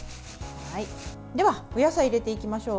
ではお野菜を入れていきましょう。